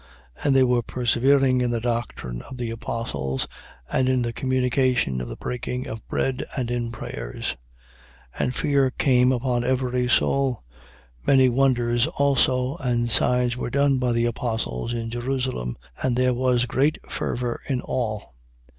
2:42. And they were persevering in the doctrine of the apostles and in the communication of the breaking of bread and in prayers. 2:43. And fear came upon every soul. Many wonders also and signs were done by the apostles in Jerusalem: and there was great fervor in all.